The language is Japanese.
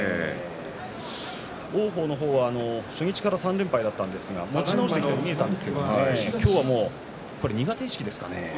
王鵬は初日から３連敗だったんですが持ち直してきたように見えたんですけど今日は苦手意識ですかね。